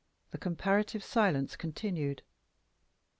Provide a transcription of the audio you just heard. the comparative silence continued.